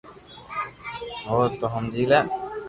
ھي تو ھمجي لي